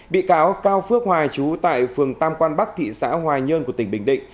bị cáo cao phước hoài chú tại phường tam quan bắc thị xã hoài nhơn của tỉnh bình định